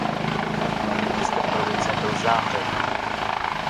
Hlavním městem provincie byl Záhřeb.